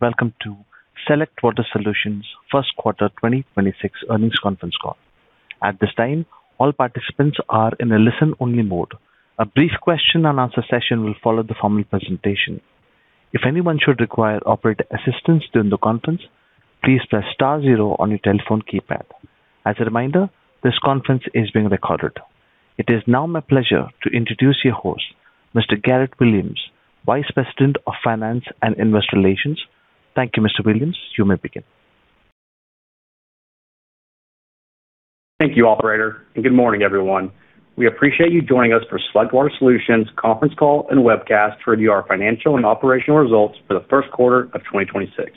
Welcome to Select Water Solutions first quarter 2026 earnings conference call. At this time, all participants are in a listen-only mode. A brief question and answer session will follow the formal presentation. If anyone should require operator assistance during the conference, please press star zero on your telephone keypad. As a reminder, this conference is being recorded. It is now my pleasure to introduce your host, Mr. Garrett Williams, Vice President of Finance and Investor Relations. Thank you, Mr. Williams. You may begin. Thank you, operator. Good morning, everyone. We appreciate you joining us for Select Water Solutions conference call and webcast to review our financial and operational results for the first quarter of 2026.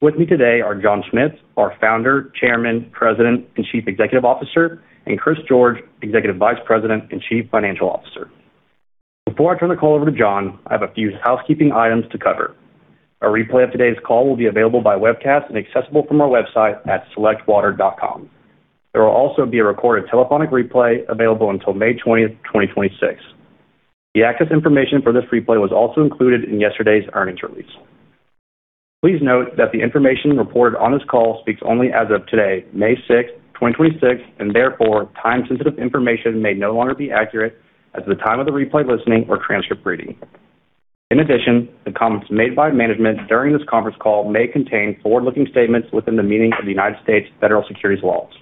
With me today are John Schmitz, our Founder, Chairman, President, and Chief Executive Officer, and Chris George, Executive Vice President and Chief Financial Officer. Before I turn the call over to John, I have a few housekeeping items to cover. A replay of today's call will be available by webcast and accessible from our website at selectwater.com. There will also be a recorded telephonic replay available until May 20th, 2026. The access information for this replay was also included in yesterday's earnings release. Please note that the information reported on this call speaks only as of today, May 6, 2026, and therefore, time-sensitive information may no longer be accurate at the time of the replay listening or transcript reading. In addition, the comments made by management during this conference call may contain forward-looking statements within the meaning of the U.S. federal securities laws.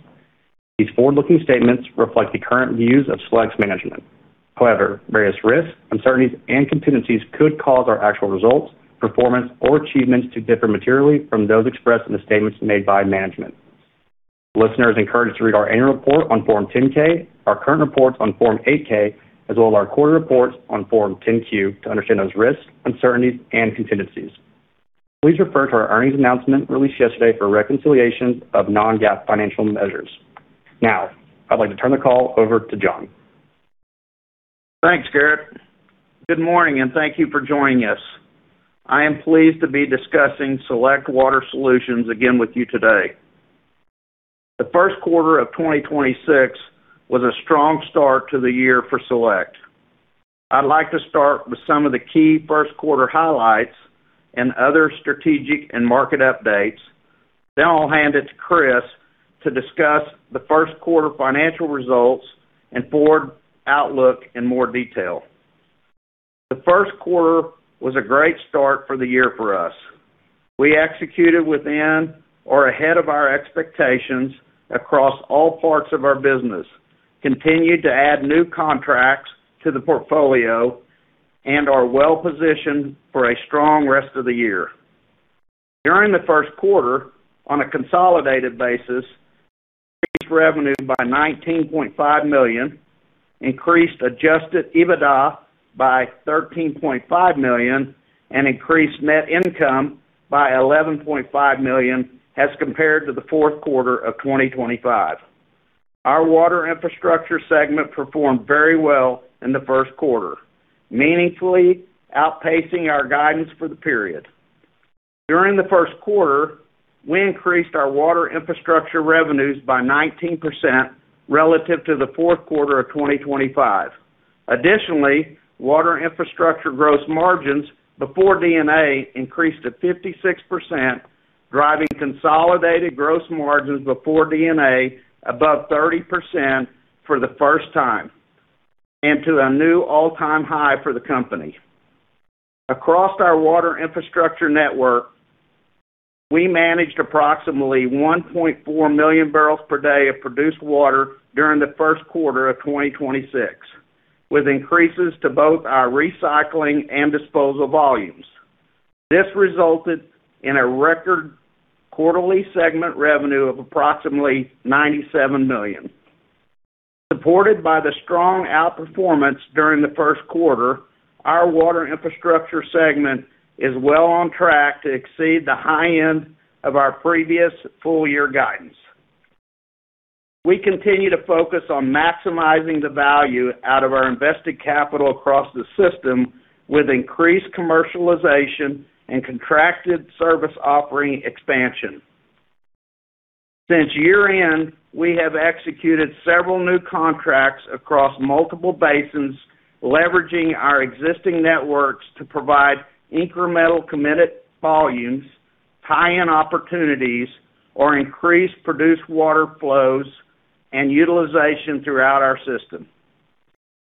These forward-looking statements reflect the current views of Select's management. However, various risks, uncertainties, and contingencies could cause our actual results, performance, or achievements to differ materially from those expressed in the statements made by management. Listener is encouraged to read our annual report on Form 10-K, our current reports on Form 8-K, as well as our quarterly reports on Form 10-Q to understand those risks, uncertainties, and contingencies. Please refer to our earnings announcement released yesterday for reconciliations of non-GAAP financial measures. Now, I'd like to turn the call over to John. Thanks, Garrett. Good morning, and thank you for joining us. I am pleased to be discussing Select Water Solutions again with you today. The first quarter of 2026 was a strong start to the year for Select. I'd like to start with some of the key first quarter highlights and other strategic and market updates. I'll hand it to Chris to discuss the first quarter financial results and forward outlook in more detail. The first quarter was a great start for the year for us. We executed within or ahead of our expectations across all parts of our business, continued to add new contracts to the portfolio, and are well-positioned for a strong rest of the year. During the first quarter, on a consolidated basis, increased revenue by $19.5 million, increased Adjusted EBITDA by $13.5 million, and increased net income by $11.5 million as compared to the fourth quarter of 2025. Our Water Infrastructure segment performed very well in the first quarter, meaningfully outpacing our guidance for the period. During the first quarter, we increased our Water Infrastructure revenues by 19% relative to the fourth quarter of 2025. Additionally, Water Infrastructure gross margins before D&A increased to 56%, driving consolidated gross margins before D&A above 30% for the first time and to a new all-time high for the company. Across our Water Infrastructure network, we managed approximately 1.4 million barrels per day of produced water during the first quarter of 2026, with increases to both our recycling and disposal volumes. This resulted in a record quarterly segment revenue of approximately $97 million. Supported by the strong outperformance during the 1st quarter, our Water Infrastructure segment is well on track to exceed the high end of our previous full year guidance. We continue to focus on maximizing the value out of our invested capital across the system with increased commercialization and contracted service offering expansion. Since year-end, we have executed several new contracts across multiple basins, leveraging our existing networks to provide incremental committed volumes, tie-in opportunities, or increased produced water flows and utilization throughout our system.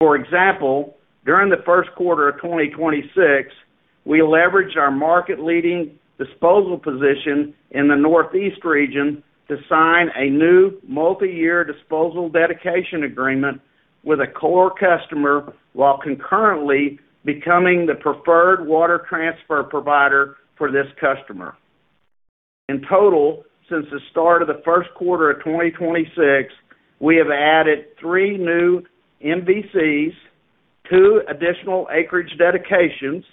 For example, during the 1st quarter of 2026, we leveraged our market-leading disposal position in the Northeast region to sign a new multi-year disposal dedication agreement with a core customer while concurrently becoming the preferred water transfer provider for this customer. In total, since the start of the first quarter of 2026, we have added 3 new MVCs, 2 additional acreage dedications,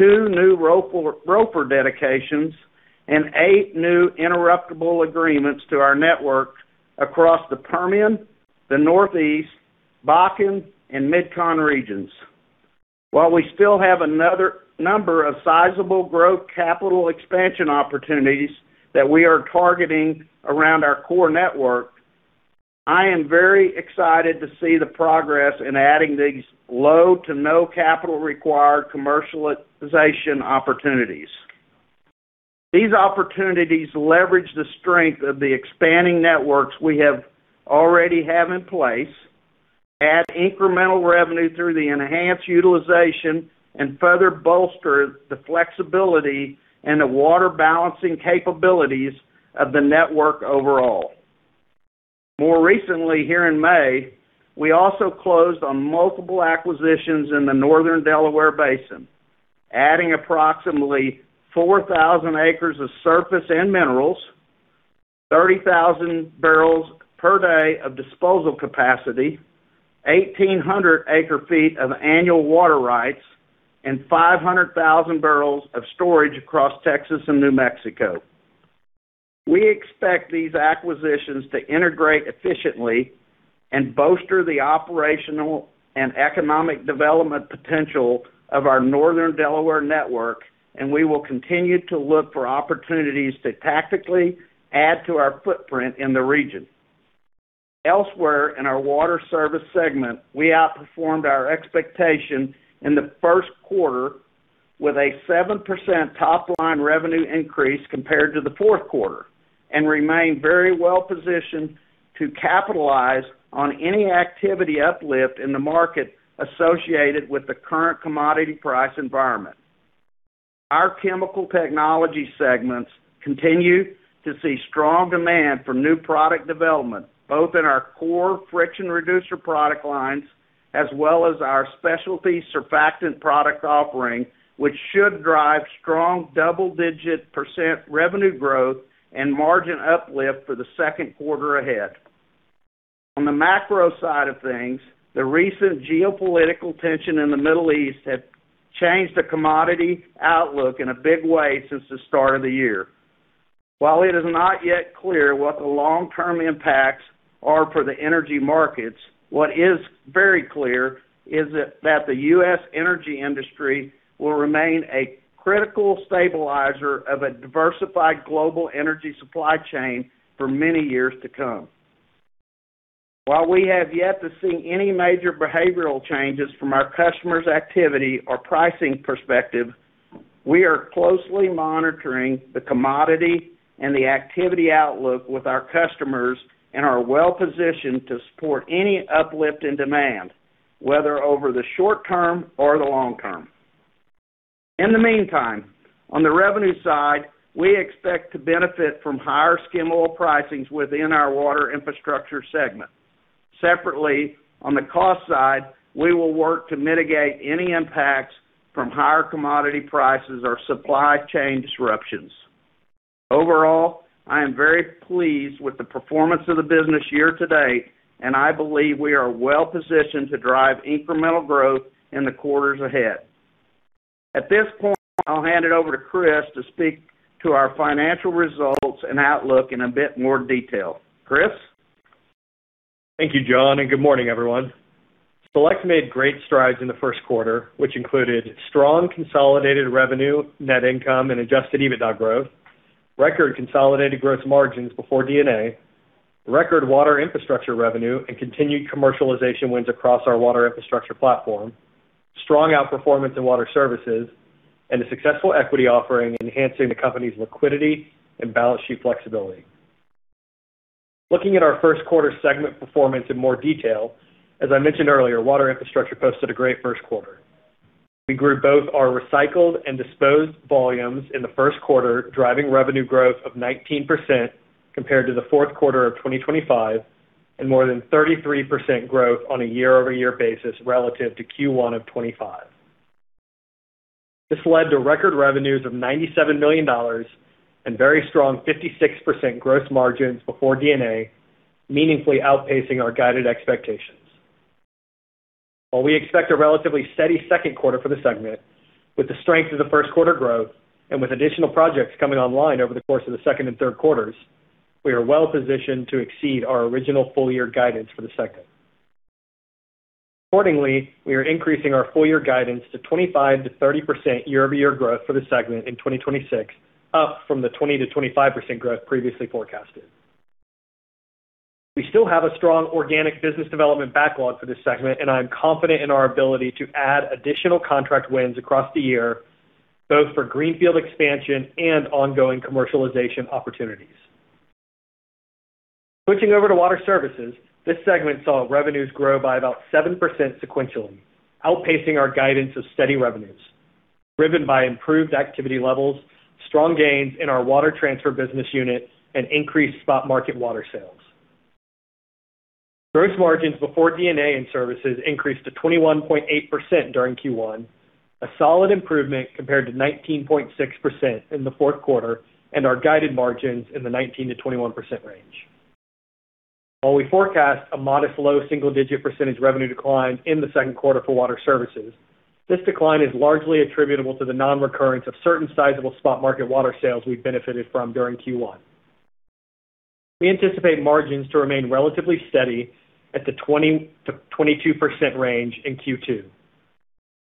2 new ROFR dedications, and 8 new interruptible agreements to our network across the Permian, the Northeast, Bakken, and MidCon regions. While we still have a number of sizable growth capital expansion opportunities that we are targeting around our core network, I am very excited to see the progress in adding these low to no capital required commercialization opportunities. These opportunities leverage the strength of the expanding networks we already have in place, add incremental revenue through the enhanced utilization, and further bolster the flexibility and the water balancing capabilities of the network overall. More recently, here in May, we also closed on multiple acquisitions in the Northern Delaware Basin, adding approximately 4,000 acres of surface and minerals, 30,000 barrels per day of disposal capacity, 1,800 acre feet of annual water rights, and 500,000 barrels of storage across Texas and New Mexico. We expect these acquisitions to integrate efficiently and bolster the operational and economic development potential of our Northern Delaware network, and we will continue to look for opportunities to tactically add to our footprint in the region. Elsewhere in our Water Services segment, we outperformed our expectation in the first quarter with a 7% top line revenue increase compared to the fourth quarter and remain very well positioned to capitalize on any activity uplift in the market associated with the current commodity price environment. Our chemical technology segments continue to see strong demand for new product development, both in our core friction reducer product lines as well as our specialty surfactant product offering, which should drive strong double-digit % revenue growth and margin uplift for the second quarter ahead. On the macro side of things, the recent geopolitical tension in the Middle East have changed the commodity outlook in a big way since the start of the year. While it is not yet clear what the long-term impacts are for the energy markets, what is very clear is that the U.S. energy industry will remain a critical stabilizer of a diversified global energy supply chain for many years to come. While we have yet to see any major behavioral changes from our customers' activity or pricing perspective, we are closely monitoring the commodity and the activity outlook with our customers and are well-positioned to support any uplift in demand, whether over the short term or the long term. In the meantime, on the revenue side, we expect to benefit from higher skim oil pricings within our water infrastructure segment. Separately, on the cost side, we will work to mitigate any impacts from higher commodity prices or supply chain disruptions. Overall, I am very pleased with the performance of the business year to date, and I believe we are well-positioned to drive incremental growth in the quarters ahead. At this point, I'll hand it over to Chris to speak to our financial results and outlook in a bit more detail. Chris? Thank you, John. Good morning, everyone. Select made great strides in the first quarter, which included strong consolidated revenue, net income, and Adjusted EBITDA growth, record consolidated gross margins before D&A, record Water Infrastructure revenue, and continued commercialization wins across our Water Infrastructure platform, strong outperformance in Water Services, and a successful equity offering enhancing the company's liquidity and balance sheet flexibility. Looking at our first quarter segment performance in more detail, as I mentioned earlier, Water Infrastructure posted a great first quarter. We grew both our recycled and disposed volumes in the first quarter, driving revenue growth of 19% compared to the fourth quarter of 2025, and more than 33% growth on a year-over-year basis relative to Q1 of 2025. This led to record revenues of $97 million and very strong 56% gross margins before D&A, meaningfully outpacing our guided expectations. While we expect a relatively steady second quarter for the segment with the strength of the first quarter growth and with additional projects coming online over the course of the second and third quarters, we are well-positioned to exceed our original full year guidance for the second. Accordingly, we are increasing our full year guidance to 25%-30% year-over-year growth for the segment in 2026, up from the 20%-25% growth previously forecasted. We still have a strong organic business development backlog for this segment, and I am confident in our ability to add additional contract wins across the year, both for greenfield expansion and ongoing commercialization opportunities. Switching over to water services, this segment saw revenues grow by about 7% sequentially, outpacing our guidance of steady revenues, driven by improved activity levels, strong gains in our water transfer business unit, and increased spot market water sales. Gross margins before D&A and services increased to 21.8% during Q1, a solid improvement compared to 19.6% in the fourth quarter and our guided margins in the 19%-21% range. While we forecast a modest low single-digit percentage revenue decline in the second quarter for water services, this decline is largely attributable to the non-recurrence of certain sizable spot market water sales we've benefited from during Q1. We anticipate margins to remain relatively steady at the 20%-22% range in Q2.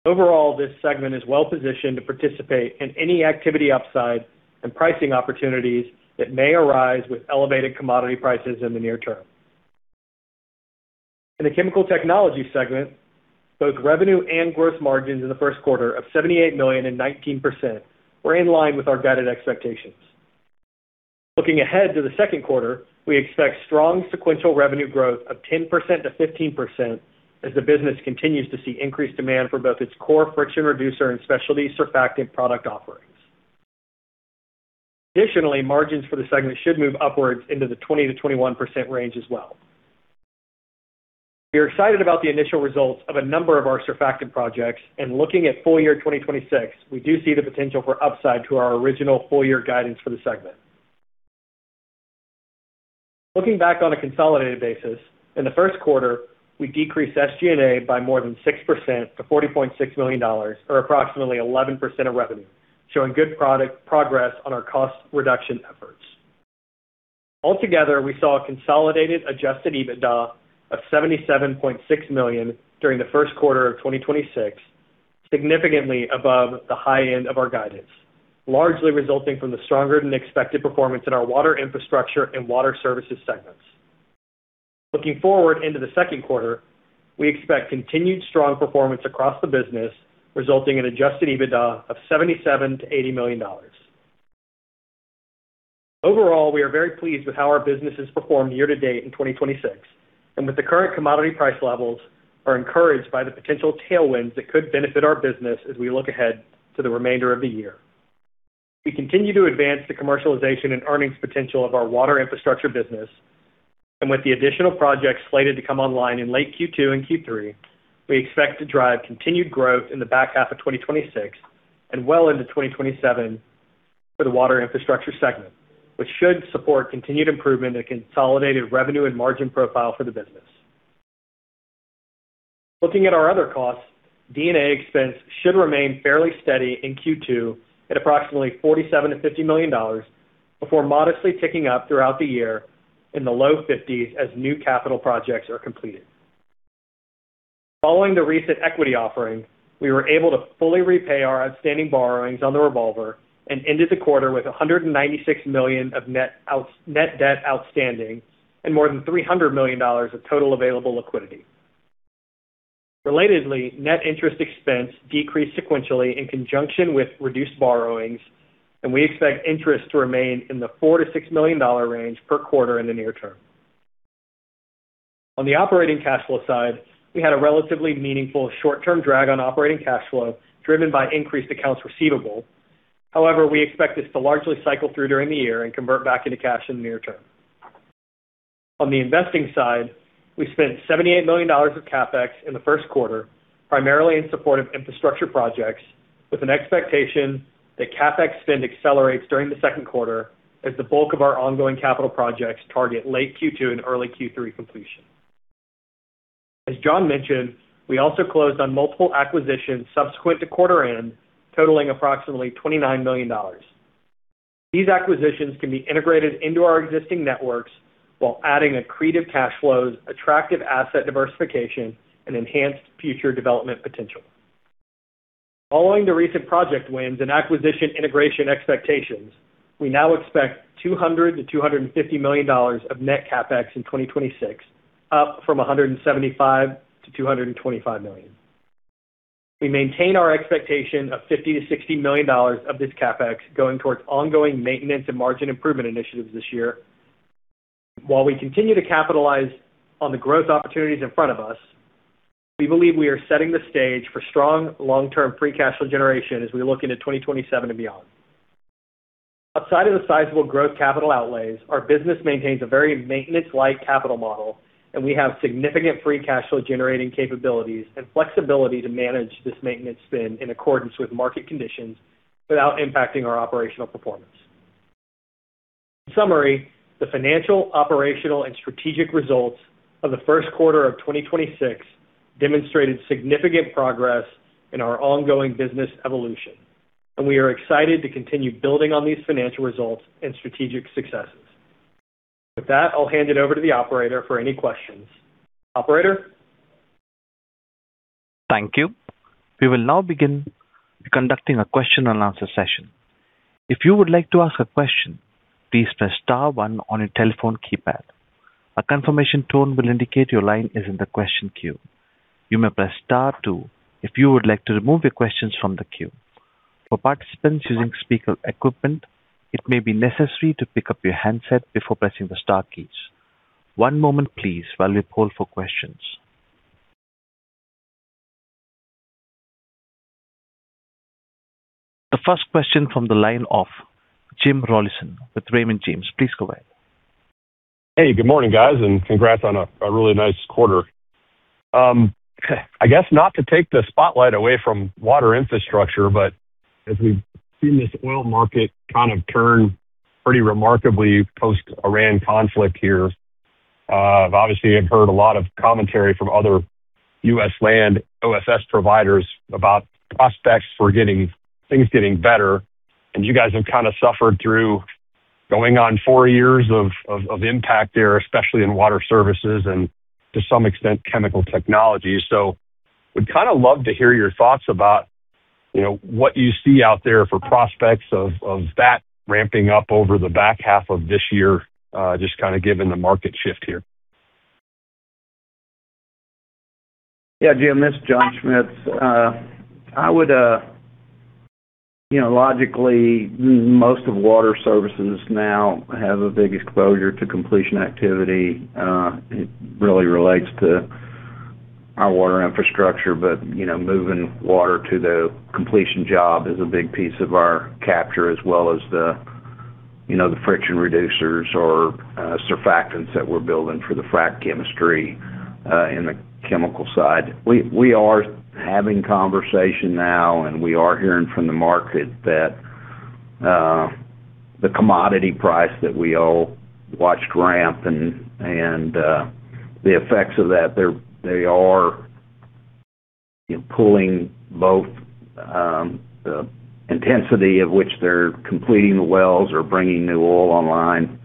Overall, this segment is well-positioned to participate in any activity upside and pricing opportunities that may arise with elevated commodity prices in the near term. In the chemical technology segment, both revenue and gross margins in the first quarter of $78 million and 19% were in line with our guided expectations. Looking ahead to the second quarter, we expect strong sequential revenue growth of 10%-15% as the business continues to see increased demand for both its core friction reducer and specialty surfactant product offerings. Additionally, margins for the segment should move upwards into the 20%-21% range as well. We are excited about the initial results of a number of our surfactant projects. Looking at full year 2026, we do see the potential for upside to our original full-year guidance for the segment. Looking back on a consolidated basis, in the first quarter, we decreased SG&A by more than 6% to $40.6 million or approximately 11% of revenue, showing good progress on our cost reduction efforts. Altogether, we saw a consolidated Adjusted EBITDA of $77.6 million during the first quarter of 2026, significantly above the high end of our guidance, largely resulting from the stronger than expected performance in our water infrastructure and water services segments. Looking forward into the second quarter, we expect continued strong performance across the business, resulting in Adjusted EBITDA of $77 million-$80 million. Overall, we are very pleased with how our business has performed year to date in 2026, and with the current commodity price levels are encouraged by the potential tailwinds that could benefit our business as we look ahead to the remainder of the year. We continue to advance the commercialization and earnings potential of our Water Infrastructure business, and with the additional projects slated to come online in late Q2 and Q3, we expect to drive continued growth in the back half of 2026 and well into 2027 for the Water Infrastructure segment, which should support continued improvement in consolidated revenue and margin profile for the business. Looking at our other costs, D&A expense should remain fairly steady in Q2 at approximately $47 million-$50 million before modestly ticking up throughout the year in the low 50s as new capital projects are completed. Following the recent equity offering, we were able to fully repay our outstanding borrowings on the revolver and ended the quarter with $196 million of net debt outstanding and more than $300 million of total available liquidity. Relatedly, net interest expense decreased sequentially in conjunction with reduced borrowings, and we expect interest to remain in the $4 million-$6 million range per quarter in the near term. On the operating cash flow side, we had a relatively meaningful short-term drag on operating cash flow driven by increased accounts receivable. We expect this to largely cycle through during the year and convert back into cash in the near term. On the investing side, we spent $78 million of CapEx in the 1st quarter, primarily in support of infrastructure projects, with an expectation that CapEx spend accelerates during the 2nd quarter as the bulk of our ongoing capital projects target late Q2 and early Q3 completion. As John mentioned, we also closed on multiple acquisitions subsequent to quarter end, totaling approximately $29 million. These acquisitions can be integrated into our existing networks while adding accretive cash flows, attractive asset diversification and enhanced future development potential. Following the recent project wins and acquisition integration expectations, we now expect $200 million-$250 million of net CapEx in 2026, up from $175 million-$225 million. We maintain our expectation of $50 million-$60 million of this CapEx going towards ongoing maintenance and margin improvement initiatives this year. While we continue to capitalize on the growth opportunities in front of us, we believe we are setting the stage for strong long-term free cash flow generation as we look into 2027 and beyond. Outside of the sizable growth capital outlays, our business maintains a very maintenance-like capital model, and we have significant free cash flow generating capabilities and flexibility to manage this maintenance spend in accordance with market conditions without impacting our operational performance. In summary, the financial, operational and strategic results of the first quarter of 2026 demonstrated significant progress in our ongoing business evolution, and we are excited to continue building on these financial results and strategic successes. With that, I'll hand it over to the operator for any questions. Operator? Thank you. We will now begin conducting a question and answer session. If you would like to ask a question, please press star 1 on your telephone keypad. A confirmation tone will indicate your line is in the question queue. You may press star 2 if you would like to remove your questions from the queue. For participants using speaker equipment, it may be necessary to pick up your handset before pressing the star keys. One moment please while we poll for questions. The first question from the line of Jim Rollyson with Raymond James. Please go ahead. Hey, good morning, guys, and congrats on a really nice quarter. I guess not to take the spotlight away from Water Infrastructure, but as we've seen this oil market kind of turn pretty remarkably post Iran conflict here, obviously have heard a lot of commentary from other U.S. land OFS providers about prospects for things getting better. You guys have kind of suffered through going on 4 years of impact there, especially in Water Services and to some extent Chemical Technology. Would kind of love to hear your thoughts about, you know, what you see out there for prospects of that ramping up over the back half of this year, just kind of given the market shift here. Yeah, Jim, this is John Schmitz. I would, you know, logically most of water services now have a big exposure to completion activity. It really relates to our water infrastructure, you know, moving water to the completion job is a big piece of our capture as well as the, you know, the friction reducers or surfactants that we're building for the frac chemistry in the chemical side. We are having conversation now. We are hearing from the market that the commodity price that we all watched ramp and the effects of that they are, you know, pulling both the intensity of which they're completing the wells or bringing new oil online,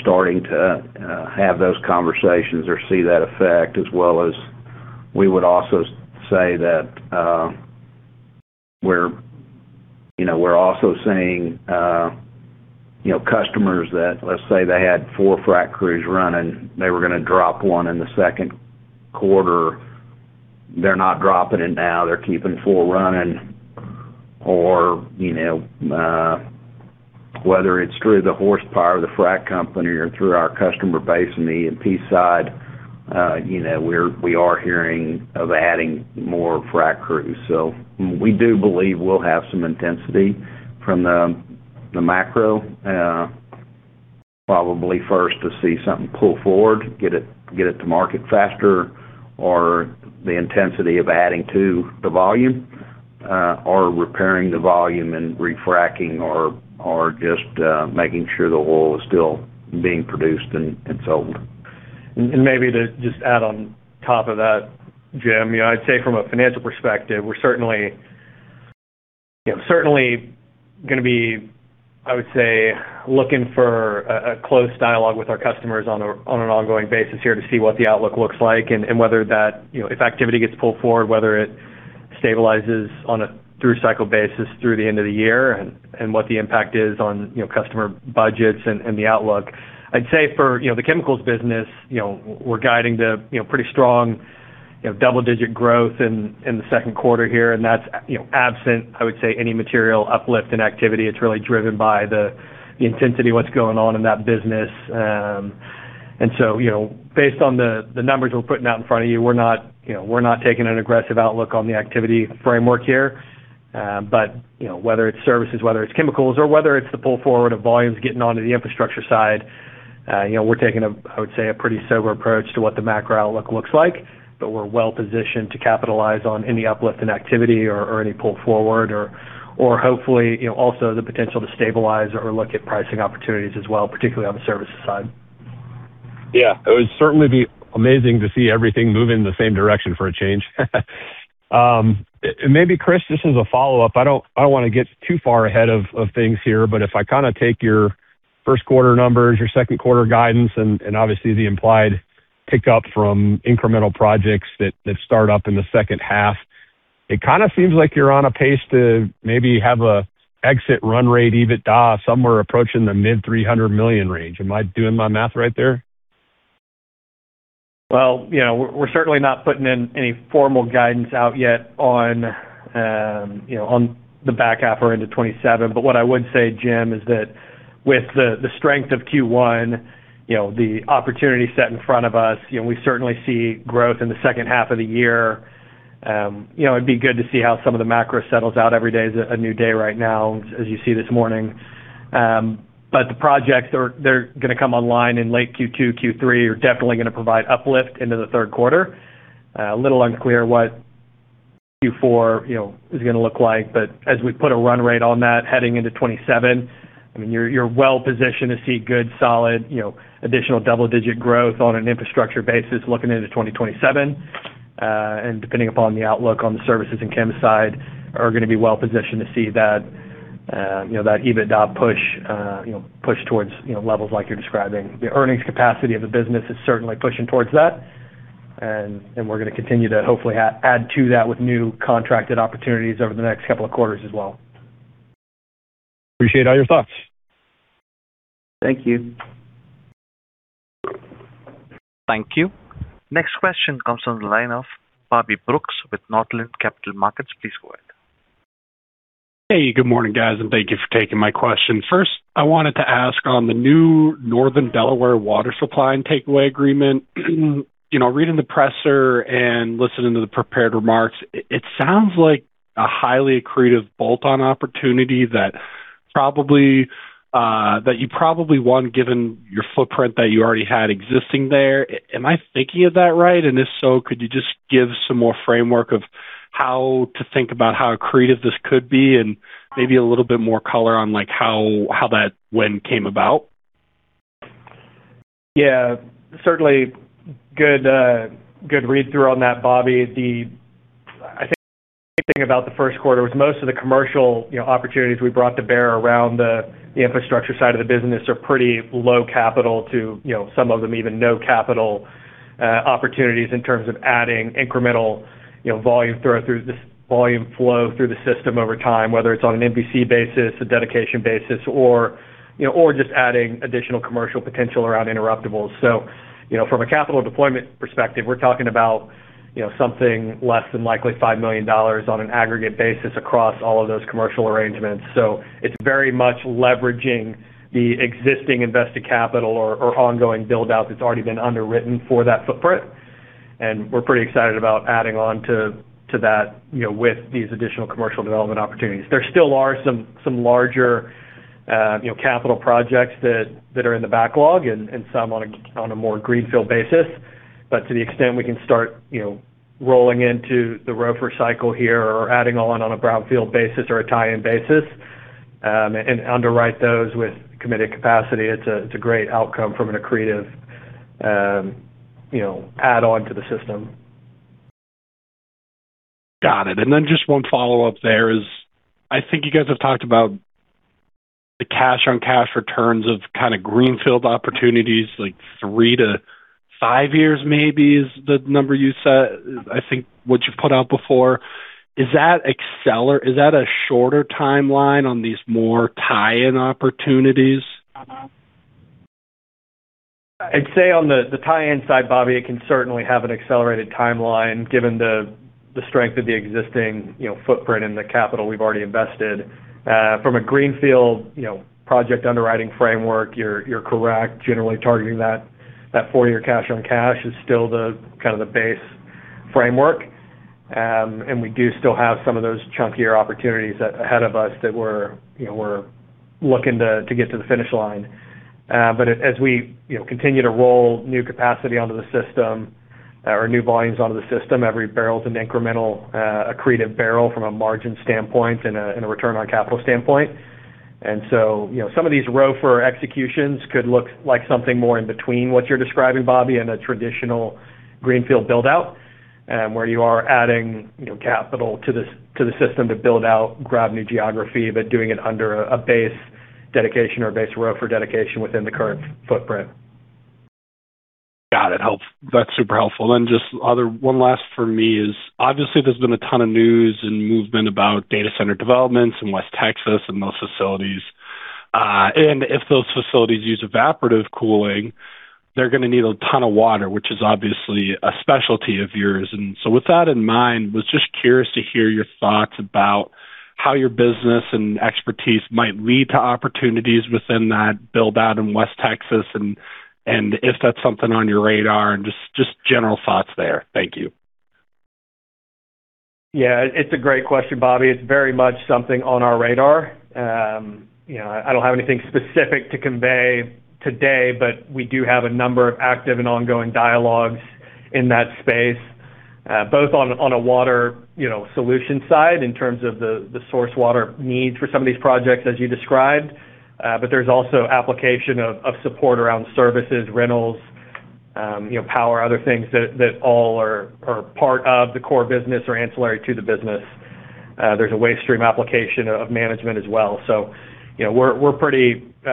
starting to have those conversations or see that effect. As well as we would also say that we're, you know, also seeing, you know, customers that let's say they had four frac crews running, they were gonna drop one in the second quarter. They're not dropping it now. They're keeping four running. You know, whether it's through the horsepower of the frac company or through our customer base on the E&P side, you know, we are hearing of adding more frac crews. We do believe we'll have some intensity from the macro, probably first to see something pull forward, get it to market faster or the intensity of adding to the volume, or repairing the volume and refracking or just making sure the oil is still being produced and sold. Maybe to just add on top of that, Jim, you know, I'd say from a financial perspective, we're certainly, you know, certainly going to be, I would say, looking for a close dialogue with our customers on a, on an ongoing basis here to see what the outlook looks like and whether that, you know, if activity gets pulled forward, whether it stabilizes on a through cycle basis through the end of the year and what the impact is on, you know, customer budgets and the outlook. I'd say for, you know, the chemicals business, you know, we're guiding the, you know, pretty strong, you know, double-digit growth in the second quarter here, and that's, you know, absent, I would say any material uplift in activity. It's really driven by the intensity of what's going on in that business. Based on the numbers we're putting out in front of you, we're not, you know, we're not taking an aggressive outlook on the activity framework here. You know, whether it's services, whether it's chemicals or whether it's the pull forward of volumes getting onto the infrastructure side, you know, we're taking a, I would say, a pretty sober approach to what the macro outlook looks like. We're well-positioned to capitalize on any uplift in activity or any pull forward or hopefully, you know, also the potential to stabilize or look at pricing opportunities as well, particularly on the services side. Yeah. It would certainly be amazing to see everything move in the same direction for a change. Maybe Chris, just as a follow-up, I don't wanna get too far ahead of things here, but if I kinda take your first quarter numbers, your second quarter guidance and obviously the implied pickup from incremental projects that start up in the second half, it kinda seems like you're on a pace to maybe have a exit run rate EBITDA somewhere approaching the mid $300 million range. Am I doing my math right there? Well, you know, we're certainly not putting in any formal guidance out yet on, you know, on the back half or into 2027. What I would say, Jim, is that with the strength of Q1, you know, the opportunity set in front of us, you know, we certainly see growth in the second half of the year. You know, it'd be good to see how some of the macro settles out. Every day is a new day right now as you see this morning. The projects they're gonna come online in late Q2, Q3 are definitely gonna provide uplift into the third quarter. A little unclear what Q4, you know, is gonna look like. As we put a run rate on that heading into 2027, I mean, you're well positioned to see good solid, you know, additional double-digit growth on an infrastructure basis looking into 2027. Depending upon the outlook on the services and chem side are gonna be well positioned to see that, you know, that EBITDA push, you know, push towards, you know, levels like you're describing. The earnings capacity of the business is certainly pushing towards that. We're gonna continue to hopefully add to that with new contracted opportunities over the next couple of quarters as well. Appreciate all your thoughts. Thank you. Thank you. Next question comes on the line of Bobby Brooks with Northland Capital Markets. Please go ahead. Good morning, guys, thank you for taking my question. First, I wanted to ask on the new Northern Delaware water supply and takeaway agreement. You know, reading the presser and listening to the prepared remarks, it sounds like a highly accretive bolt-on opportunity that probably that you probably won given your footprint that you already had existing there. Am I thinking of that right? If so, could you just give some more framework of how to think about how accretive this could be and maybe a little bit more color on like how that win came about? Certainly good read through on that, Bobby. I think about the first quarter was most of the commercial, you know, opportunities we brought to bear around the infrastructure side of the business are pretty low capital to, you know, some of them even no capital opportunities in terms of adding incremental, you know, volume flow through the system over time, whether it's on an MVC basis, a dedication basis or, you know, or just adding additional commercial potential around interruptibles. From a capital deployment perspective, we're talking about, you know, something less than likely $5 million on an aggregate basis across all of those commercial arrangements. It's very much leveraging the existing invested capital or ongoing build out that's already been underwritten for that footprint. We're pretty excited about adding on to that, you know, with these additional commercial development opportunities. There still are some larger, you know, capital projects that are in the backlog and some on a more greenfield basis. To the extent we can start, you know, rolling into the ROFR cycle here or adding on a brownfield basis or a tie-in basis, and underwrite those with committed capacity, it's a great outcome from an accretive, you know, add on to the system. Got it. Just one follow-up there is, I think you guys have talked about the cash-on-cash returns of kind of greenfield opportunities, like 3-5 years maybe is the number you said, I think what you've put out before. Is that a shorter timeline on these more tie-in opportunities? I'd say on the tie-in side, Bobby, it can certainly have an accelerated timeline given the strength of the existing, you know, footprint and the capital we've already invested. From a greenfield, you know, project underwriting framework, you're correct. Generally targeting that 4-year cash on cash is still the kind of the base framework. We do still have some of those chunkier opportunities ahead of us that we're, you know, we're looking to get to the finish line. As we, you know, continue to roll new capacity onto the system or new volumes onto the system, every barrel is an incremental accretive barrel from a margin standpoint and a return on capital standpoint. You know, some of these ROFR executions could look like something more in between what you're describing, Bobby, in a traditional greenfield build out, where you are adding, you know, capital to the system to build out, grab new geography, but doing it under a base dedication or base ROFR dedication within the current footprint. Got it. Helps. That's super helpful. Just one last for me is obviously there's been a ton of news and movement about data center developments in West Texas and those facilities. If those facilities use evaporative cooling, they're gonna need a ton of water, which is obviously a specialty of yours. With that in mind, was just curious to hear your thoughts about how your business and expertise might lead to opportunities within that build out in West Texas and if that's something on your radar and just general thoughts there. Thank you. Yeah, it's a great question, Bobby. It's very much something on our radar. you know, I don't have anything specific to convey today, but we do have a number of active and ongoing dialogues in that space, both on a water, you know, solution side in terms of the source water needs for some of these projects, as you described. There's also application of support around services, rentals, you know, power, other things that all are part of the core business or ancillary to the business. There's a waste stream application of management as well. you know, we're pretty, you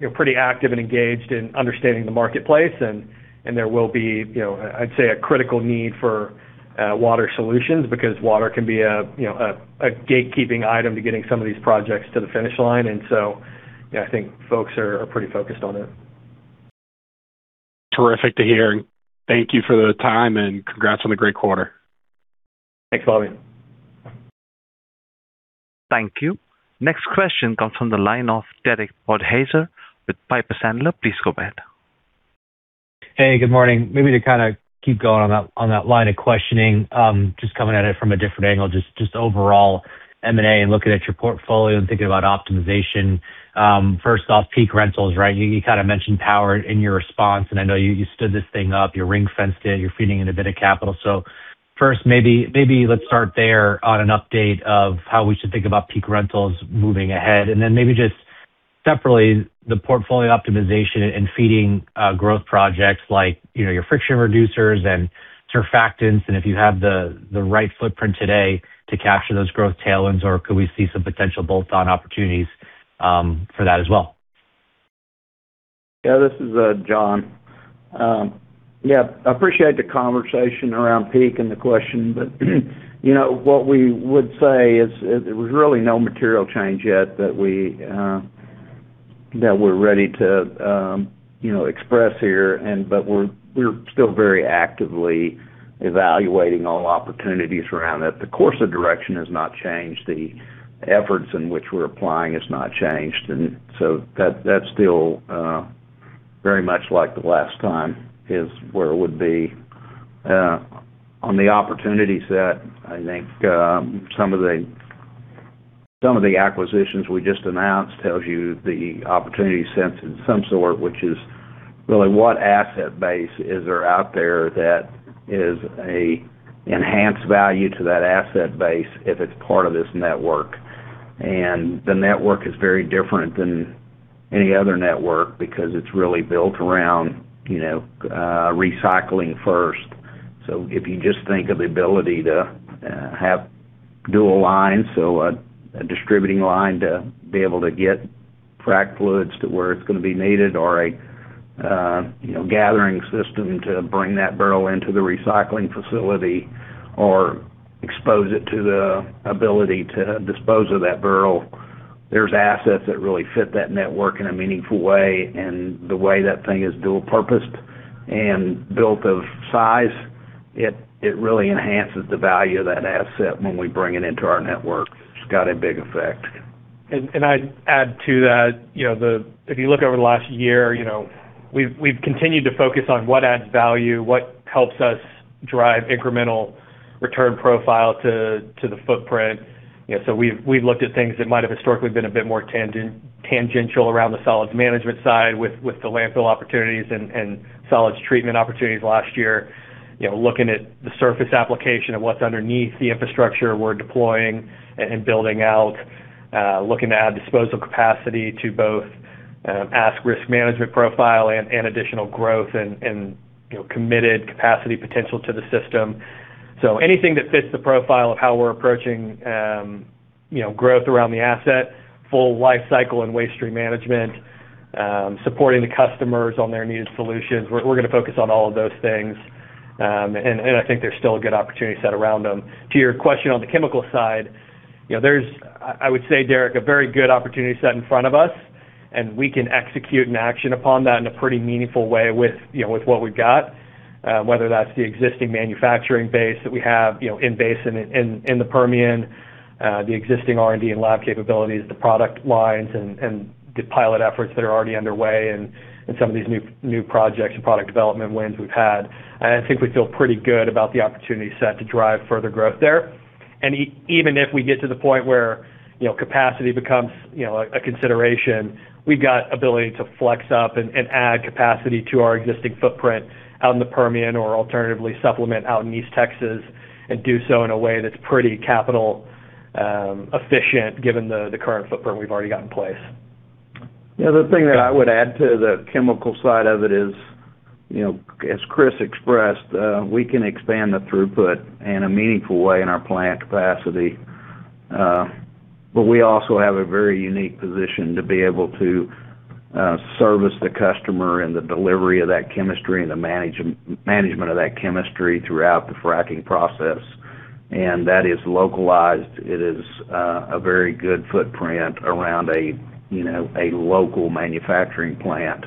know, pretty active and engaged in understanding the marketplace. There will be, you know, I'd say a critical need for water solutions because water can be a, you know, a gatekeeping item to getting some of these projects to the finish line. I think folks are pretty focused on it. Terrific to hear. Thank you for the time, and congrats on the great quarter. Thanks, Bobby. Thank you. Next question comes from the line of Derek Podhaizer with Piper Sandler. Please go ahead. Hey, good morning. Maybe to kind of keep going on that, on that line of questioning, just coming at it from a different angle, just overall M&A and looking at your portfolio and thinking about optimization. First off, Peak Rentals, right? You kind of mentioned power in your response, and I know you stood this thing up, you ring-fenced it, you're feeding in a bit of capital. First, maybe let's start there on an update of how we should think about Peak Rentals moving ahead. Then maybe just separately, the portfolio optimization and feeding growth projects like, you know, your friction reducers and surfactants and if you have the right footprint today to capture those growth tailwinds or could we see some potential bolt-on opportunities for that as well? Yeah, this is John. Yeah, I appreciate the conversation around Peak and the question, but you know, what we would say is, there was really no material change yet that we that we're ready to, you know, express here, but we're still very actively evaluating all opportunities around it. The course of direction has not changed. The efforts in which we're applying has not changed. That's still very much like the last time is where it would be. On the opportunity set, I think, some of the, some of the acquisitions we just announced tells you the opportunity sense in some sort, which is really what asset base is there out there that is a enhanced value to that asset base if it's part of this network. The network is very different than any other network because it's really built around, you know, recycling first. If you just think of the ability to, have dual lines, so a distributing line to be able to get fracked fluids to where it's going to be needed or a, you know, gathering system to bring that barrel into the recycling facility or expose it to the ability to dispose of that barrel. There's assets that really fit that network in a meaningful way. The way that thing is dual purposed and built of size, it really enhances the value of that asset when we bring it into our network. It's got a big effect. I'd add to that, you know, if you look over the last year, you know, we've continued to focus on what adds value, what helps us drive incremental return profile to the footprint. You know, we've looked at things that might have historically been a bit more tangential around the solids management side with the landfill opportunities and solids treatment opportunities last year. You know, looking at the surface application of what's underneath the infrastructure we're deploying and building out, looking to add disposal capacity to both as a risk management profile and additional growth and, you know, committed capacity potential to the system. Anything that fits the profile of how we're approaching, you know, growth around the asset, full life cycle and waste stream management, supporting the customers on their needed solutions. We're gonna focus on all of those things. I think there's still a good opportunity set around them. To your question on the chemical side, you know, there's, I would say, Derek, a very good opportunity set in front of us. We can execute and action upon that in a pretty meaningful way with, you know, with what we've got. Whether that's the existing manufacturing base that we have, you know, in basin in the Permian, the existing R&D and lab capabilities, the product lines and the pilot efforts that are already underway and some of these new projects and product development wins we've had. I think we feel pretty good about the opportunity set to drive further growth there. Even if we get to the point where, you know, capacity becomes, you know, a consideration, we've got ability to flex up and add capacity to our existing footprint out in the Permian or alternatively supplement out in East Texas and do so in a way that's pretty capital efficient given the current footprint we've already got in place. The other thing that I would add to the chemical side of it is, you know, as Chris expressed, we can expand the throughput in a meaningful way in our plant capacity. We also have a very unique position to be able to service the customer in the delivery of that chemistry and the management of that chemistry throughout the fracking process. That is localized. It is a very good footprint around a, you know, a local manufacturing plant.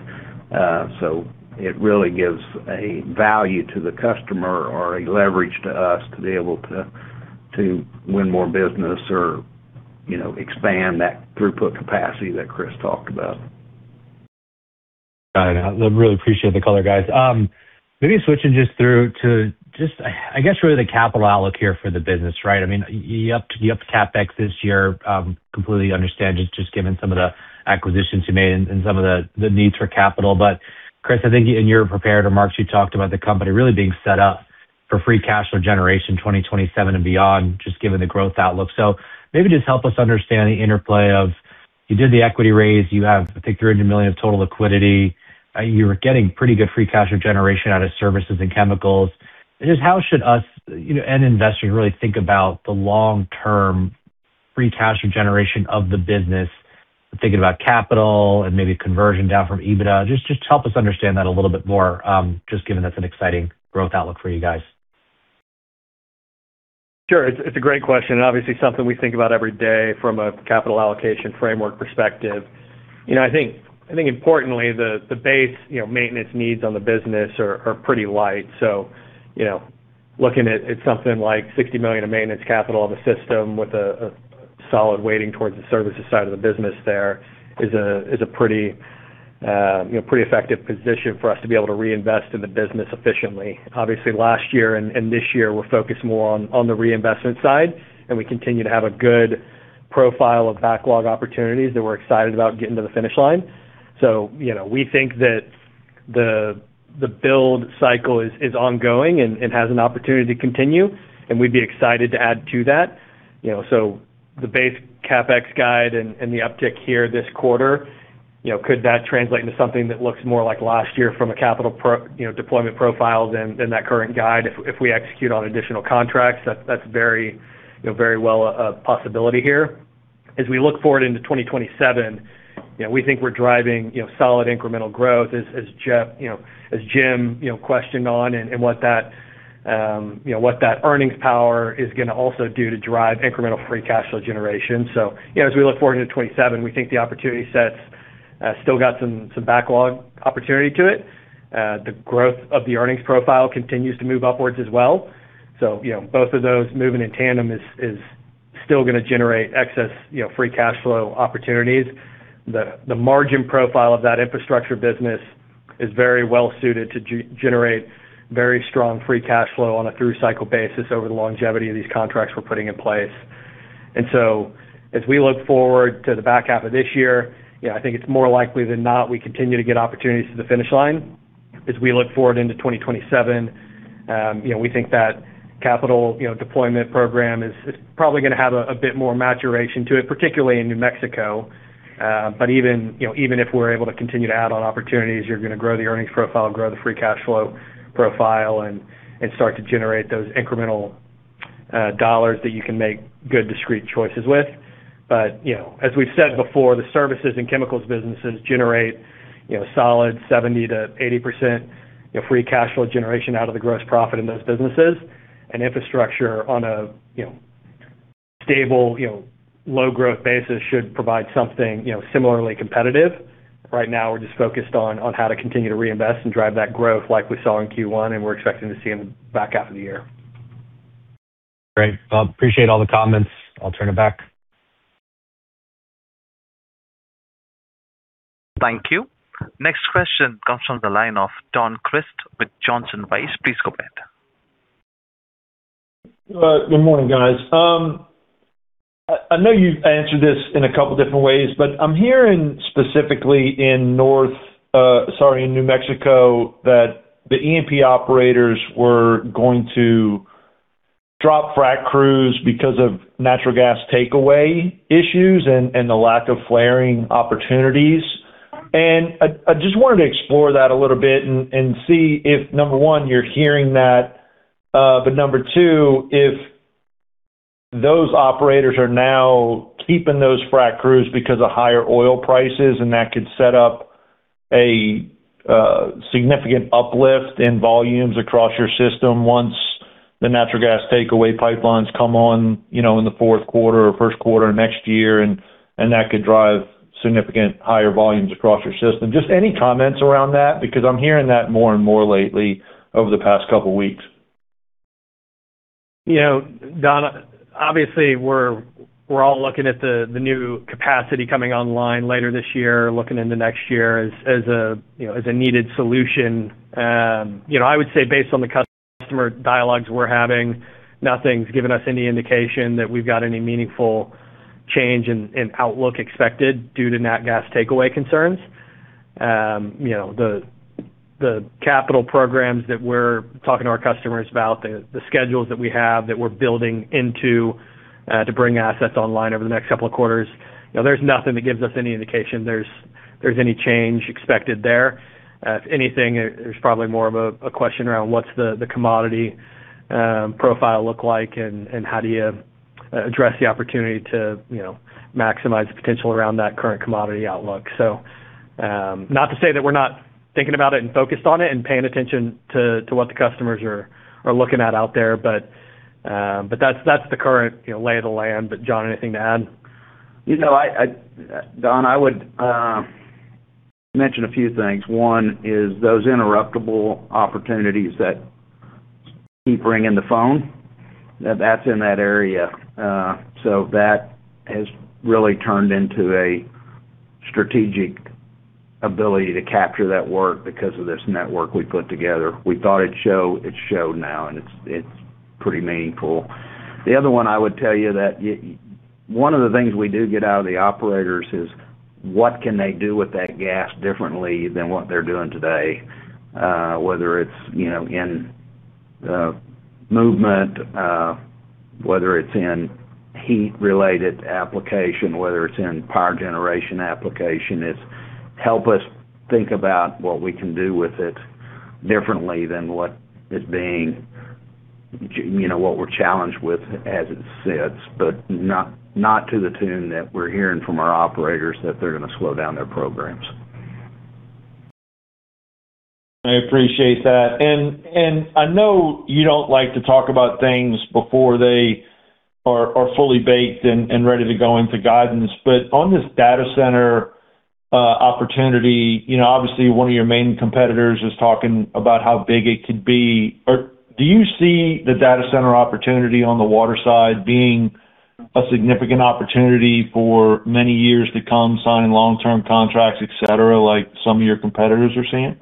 It really gives a value to the customer or a leverage to us to be able to win more business or, you know, expand that throughput capacity that Chris talked about. Got it. I really appreciate the color, guys. Maybe switching to the capital outlook here for the business, right? I mean, you upped CapEx this year, completely understand just given some of the acquisitions you made and some of the needs for capital. Chris, I think in your prepared remarks, you talked about the company really being set up for free cash flow generation 2027 and beyond, just given the growth outlook. Maybe just help us understand the interplay of you did the equity raise, you have, I think, $300 million of total liquidity. You were getting pretty good free cash flow generation out of services and chemicals. Just how should us, you know, an investor really think about the long-term free cash flow generation of the business, thinking about capital and maybe conversion down from EBITDA? Just help us understand that a little bit more, just given that's an exciting growth outlook for you guys? Sure. It's a great question, obviously something we think about every day from a capital allocation framework perspective. You know, I think importantly, the base, you know, maintenance needs on the business are pretty light. You know, looking at something like $60 million of maintenance capital on the system with a solid weighting towards the services side of the business there is a pretty, you know, pretty effective position for us to be able to reinvest in the business efficiently. Obviously, last year and this year, we're focused more on the reinvestment side, we continue to have a good profile of backlog opportunities that we're excited about getting to the finish line. You know, we think that the build cycle is ongoing and has an opportunity to continue, and we'd be excited to add to that. You know, the base CapEx guide and the uptick here this quarter, you know, could that translate into something that looks more like last year from a capital you know, deployment profile than that current guide if we execute on additional contracts? That's very, you know, very well a possibility here. As we look forward into 2027, you know, we think we're driving, you know, solid incremental growth as Jim, you know, questioned on and what that, you know, what that earnings power is gonna also do to drive incremental free cash flow generation. You know, as we look forward into 2027, we think the opportunity sets still got some backlog opportunity to it. The growth of the earnings profile continues to move upwards as well. You know, both of those moving in tandem is still gonna generate excess, you know, free cash flow opportunities. The margin profile of that infrastructure business is very well suited to generate very strong free cash flow on a through cycle basis over the longevity of these contracts we're putting in place. As we look forward to the back half of this year, you know, I think it's more likely than not we continue to get opportunities to the finish line. As we look forward into 2027, you know, we think that capital, you know, deployment program is probably gonna have a bit more maturation to it, particularly in New Mexico. Even, you know, even if we're able to continue to add on opportunities, you're gonna grow the earnings profile, grow the free cash flow profile, and start to generate those incremental dollars that you can make good discrete choices with. You know, as we've said before, the services and chemicals businesses generate, you know, solid 70% to 80%, you know, free cash flow generation out of the gross profit in those businesses. Infrastructure on a, you know, stable, you know, low growth basis should provide something, you know, similarly competitive. Right now, we're just focused on how to continue to reinvest and drive that growth like we saw in Q1, and we're expecting to see in the back half of the year. Great. Well, appreciate all the comments. I'll turn it back. Thank you. Next question comes from the line of Don Crist with Johnson Rice. Please go ahead. Good morning, guys. I know you've answered this in a couple different ways, but I'm hearing specifically in North, sorry, in New Mexico that the E&P operators were going to drop frac crews because of natural gas takeaway issues and the lack of flaring opportunities. I just wanted to explore that a little bit and see if, number 1, you're hearing that, but number 2, if those operators are now keeping those frac crews because of higher oil prices, and that could set up a significant uplift in volumes across your system once the natural gas takeaway pipelines come on, you know, in the fourth quarter or first quarter next year and that could drive significant higher volumes across your system. Just any comments around that? Because I'm hearing that more and more lately over the past couple weeks. You know, Don, obviously, we're all looking at the new capacity coming online later this year, looking into next year as a, you know, as a needed solution. You know, I would say based on the customer dialogues we're having, nothing's given us any indication that we've got any meaningful change in outlook expected due to nat gas takeaway concerns. You know, the capital programs that we're talking to our customers about, the schedules that we have that we're building into to bring assets online over the next couple of quarters, you know, there's nothing that gives us any indication there's any change expected there. If anything, there's probably more of a question around what's the commodity profile look like and how do you address the opportunity to, you know, maximize the potential around that current commodity outlook. Not to say that we're not thinking about it and focused on it and paying attention to what the customers are looking at out there. That's, that's the current, you know, lay of the land. John, anything to add? You know, Don, I would mention a few things. One is those interruptible opportunities that keep ringing the phone, that that's in that area. That has really turned into a strategic ability to capture that work because of this network we put together. We thought it'd show, it showed now, and it's pretty meaningful. The other one I would tell you that one of the things we do get out of the operators is what can they do with that gas differently than what they're doing today? Whether it's, you know, in movement, whether it's in heat-related application, whether it's in power generation application. It's help us think about what we can do with it differently than what is being you know, what we're challenged with as it sits. Not to the tune that we're hearing from our operators that they're gonna slow down their programs. I appreciate that. I know you don't like to talk about things before they are fully baked and ready to go into guidance. On this data center opportunity, you know, obviously one of your main competitors is talking about how big it could be. Do you see the data center opportunity on the water side being a significant opportunity for many years to come, sign long-term contracts, et cetera, like some of your competitors are seeing?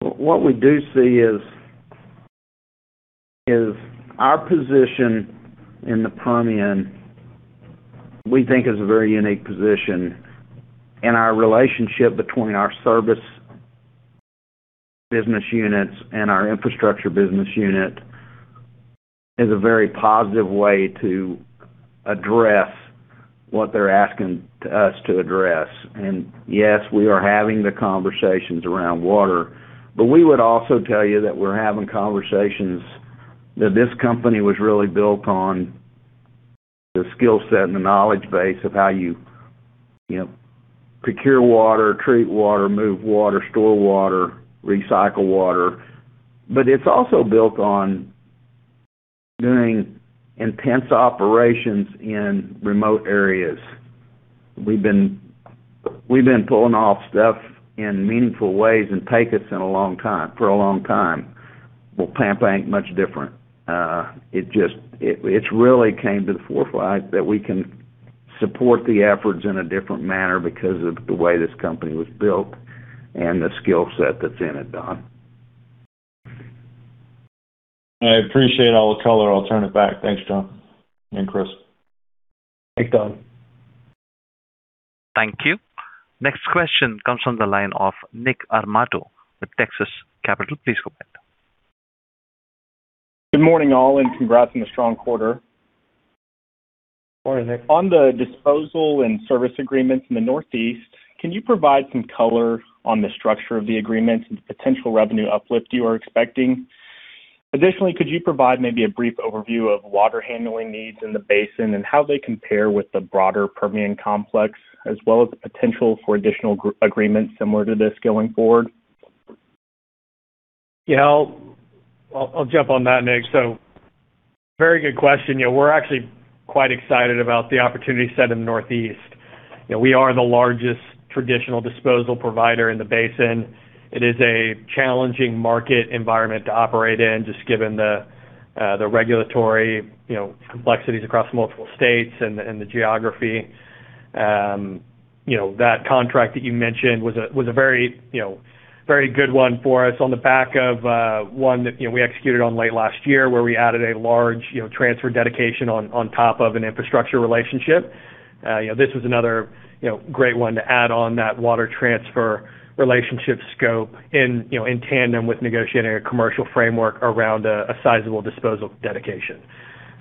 What we do see is our position in the Permian, we think is a very unique position. Our relationship between our service business units and our infrastructure business unit is a very positive way to address what they're asking us to address. Yes, we are having the conversations around water, but we would also tell you that we're having conversations that this company was really built on the skill set and the knowledge base of how you know, procure water, treat water, move water, store water, recycle water. It's also built on doing intense operations in remote areas. We've been pulling off stuff in meaningful ways in Pecos for a long time. Well, Pampa ain't much different. It's really came to the forefront that we can support the efforts in a different manner because of the way this company was built and the skill set that's in it, Don. I appreciate all the color. I'll turn it back. Thanks, John and Chris. Thanks, Don. Thank you. Next question comes from the line of Nicholas Joseph Armato with Texas Capital. Please go ahead. Good morning, all, and congrats on a strong quarter. Morning, Nick. On the disposal and service agreements in the Northeast, can you provide some color on the structure of the agreements and the potential revenue uplift you are expecting? Additionally, could you provide maybe a brief overview of water handling needs in the basin and how they compare with the broader Permian complex, as well as the potential for additional agreements similar to this going forward? You know, I'll jump on that, Nick. Very good question. You know, we're actually quite excited about the opportunity set in the Northeast. You know, we are the largest traditional disposal provider in the basin. It is a challenging market environment to operate in, just given the regulatory, you know, complexities across multiple states and the, and the geography. You know, that contract that you mentioned was a, was a very, you know, very good 1 for us on the back of 1 that, you know, we executed on late last year, where we added a large, you know, transfer dedication on top of an infrastructure relationship. You know, this was another, you know, great 1 to add on that water transfer relationship scope in, you know, in tandem with negotiating a commercial framework around a sizable disposal dedication.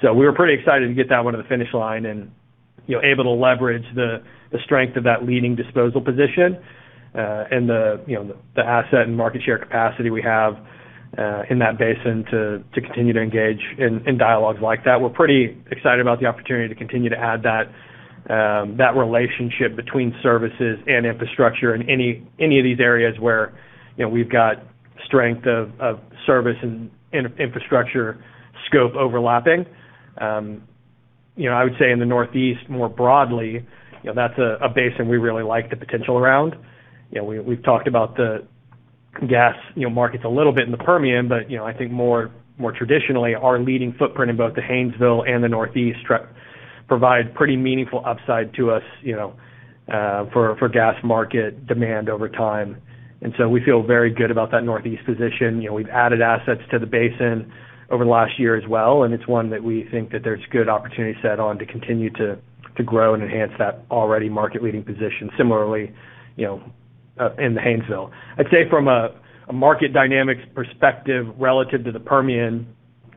We were pretty excited to get that 1 to the finish line and, you know, able to leverage the strength of that leading disposal position, and the, you know, the asset and market share capacity we have in that basin to continue to engage in dialogues like that. We're pretty excited about the opportunity to continue to add that relationship between services and infrastructure in any of these areas where, you know, we've got strength of service and infrastructure scope overlapping. You know, I would say in the Northeast more broadly, you know, that's a basin we really like the potential around. You know, we've talked about the gas, you know, markets a little bit in the Permian, but, you know, I think more, more traditionally, our leading footprint in both the Haynesville and the Northeast provide pretty meaningful upside to us, you know, for gas market demand over time. We feel very good about that Northeast position. You know, we've added assets to the basin over the last year as well, and it's one that we think that there's good opportunity set on to continue to grow and enhance that already market-leading position similarly, you know, in the Haynesville. I'd say from a market dynamics perspective relative to the Permian,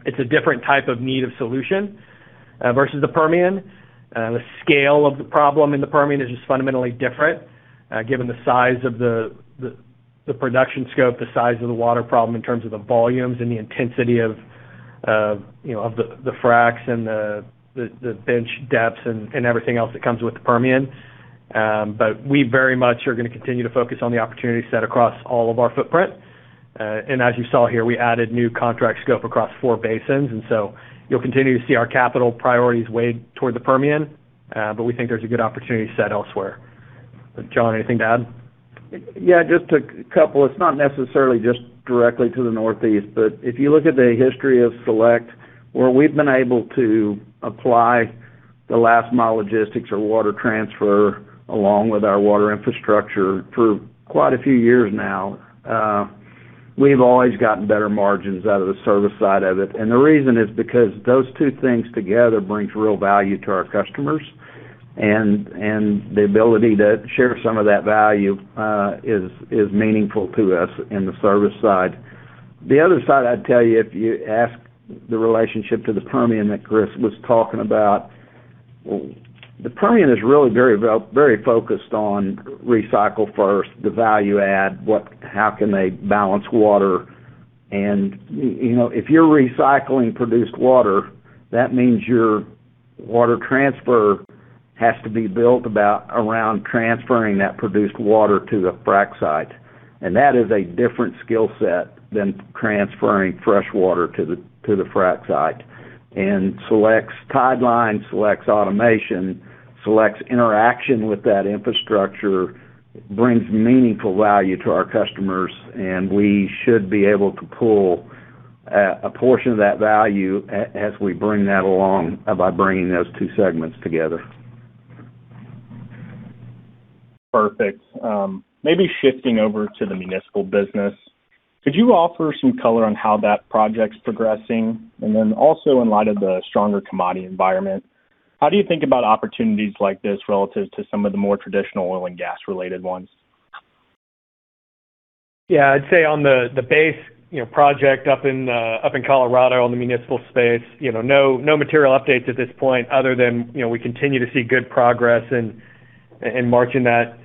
it's a different type of need of solution versus the Permian. The scale of the problem in the Permian is just fundamentally different, given the size of the production scope, the size of the water problem in terms of the volumes and the intensity of, you know, of the fracs and the bench depths and everything else that comes with the Permian. We very much are gonna continue to focus on the opportunity set across all of our footprint. As you saw here, we added new contract scope across 4 basins. You'll continue to see our capital priorities weighed toward the Permian, but we think there's a good opportunity set elsewhere. John, anything to add? Yeah, just a couple. It's not necessarily just directly to the Northeast, but if you look at the history of Select, where we've been able to apply the last-mile logistics or water transfer along with our water infrastructure for quite a few years now, we've always gotten better margins out of the service side of it. The reason is because those two things together brings real value to our customers and the ability to share some of that value is meaningful to us in the service side. The other side I'd tell you, if you ask the relationship to the Permian that Chris was talking about, the Permian is really very focused on recycle first, the value add, how can they balance water? You know, if you're recycling produced water, that means your water transfer has to be built around transferring that produced water to the frac site. That is a different skill set than transferring fresh water to the frac site. Select's pipeline, Select's automation, Select's interaction with that infrastructure brings meaningful value to our customers, and we should be able to pull a portion of that value as we bring that along by bringing those two segments together. Perfect. Maybe shifting over to the municipal business, could you offer some color on how that project's progressing? Also in light of the stronger commodity environment, how do you think about opportunities like this relative to some of the more traditional oil and gas related ones? I'd say on the base, you know, project up in Colorado on the municipal space, you know, no material updates at this point other than, you know, we continue to see good progress in marching that